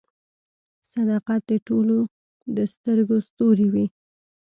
• صداقت د ټولو د سترګو ستوری وي.